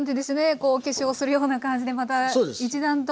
こうお化粧するような感じでまた一段と。